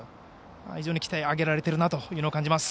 非常に鍛え上げられているなというのを感じます。